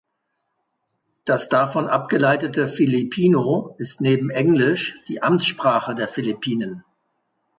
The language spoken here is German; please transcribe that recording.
Das davon abgeleitete Filipino ist neben Englisch die Amtssprache der Philippinen.